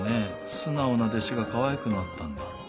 素直な弟子がかわいくなったんだろう。